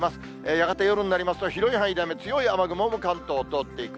やがて夜になりますと、広い範囲で雨、強い雨雲が関東を通っていく。